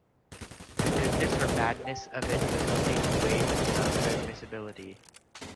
The goodness or badness of it goes only to weight and not to admissibility.